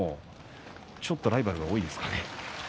ちょっとライバル多いですかね。